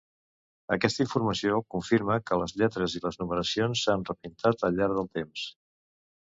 Aquesta informació confirma que les lletres i la numeració s'han repintat al llarg del temps.